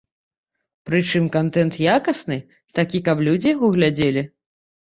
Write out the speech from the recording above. Прычым, кантэнт якасны, такі, каб людзі яго глядзелі?